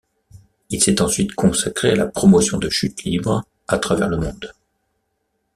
Il s’est ensuite consacré à la promotion de chute libre à travers le monde.